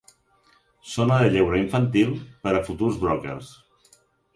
Zona de lleure infantil per a futurs brokers.